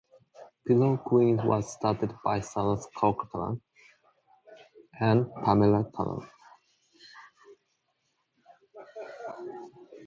Pillow Queens was started by Sarah Corcoran and Pamela Connolly.